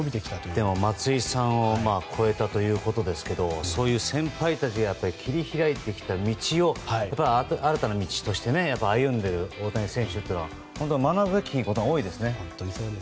でも松井さんを超えたということですけどそういう先輩たちが切り開いてきた道を新たな道として歩んでいる大谷選手には学ぶべきことが多いですね。